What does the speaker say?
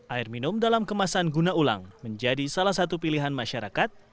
air minum dalam kemasan guna ulang menjadi salah satu pilihan masyarakat